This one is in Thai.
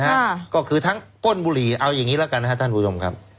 ค่ะก็คือทั้งก้นบุหรี่เอาอย่างงี้แล้วกันนะครับท่านผู้ชมครับ